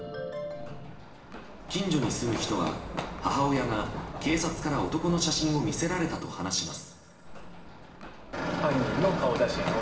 近所に住む人は、母親が警察から男の写真を見せられたと話します。